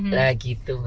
nah gitu mbak